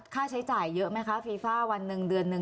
ค่าใช้จ่ายเยอะไหมคะฟีฟ่าวันหนึ่งเดือนหนึ่ง